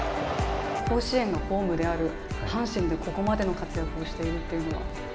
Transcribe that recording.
甲子園のホームである阪神でここまでの活躍をしているというのは？